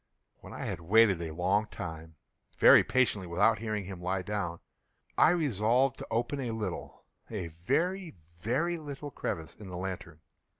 When I had waited a long time, very patiently, without hearing him lie down, I resolved to open a little—a very, very little crevice in the lantern.